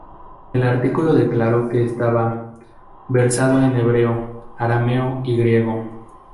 El artículo declaró que estaba "versado en hebreo, arameo, y griego".